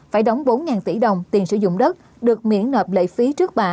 phải đóng bốn tỷ đồng tiền sử dụng đất được miễn nợ lệ phí trước bạ